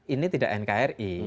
ini tidak nkri